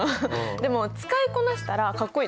でも使いこなしたらかっこいいでしょ？